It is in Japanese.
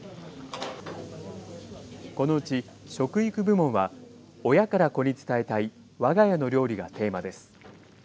このうち食育部門は親から子に伝えたいわが家の料理がテーマです。